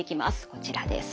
こちらです。